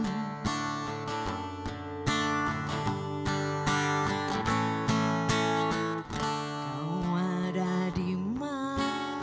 kau ada dimana